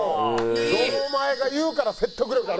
堂前が言うから説得力ある。